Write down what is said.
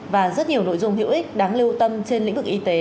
và rất nhiều nội dung hữu ích đáng lưu tâm trên lĩnh vực y tế